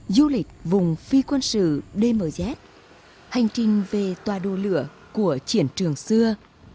du lịch vùng phi quân sự dmz hành trình về tòa đồ lửa của triển trường xưa